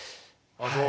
あの。